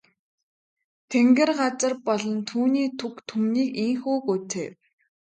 Тэнгэр газар болон түүний түг түмнийг ийнхүү гүйцээв.